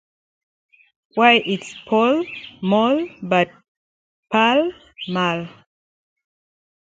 Why it's pall, mall, but Pall Mall.